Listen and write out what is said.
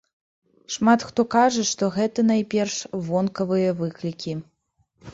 Шмат хто кажа, што гэта, найперш, вонкавыя выклікі.